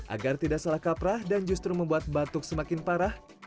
agar tidak salah kaprah dan justru membuat batuk semakin parah